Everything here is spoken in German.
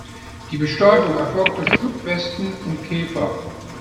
Die Bestäubung erfolgt durch Schlupfwespen und Käfer.